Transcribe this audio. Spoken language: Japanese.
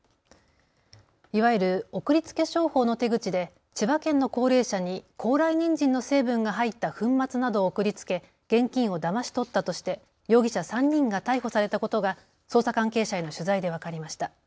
いわゆる、送りつけ商法の手口で千葉県の高齢者に高麗にんじんの成分が入った粉末などを送りつけ現金をだまし取ったとして容疑者３人が逮捕されたことが捜査関係者への取材で分かりました。